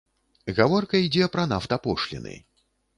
Гаворка ідзе пра нафтапошліны.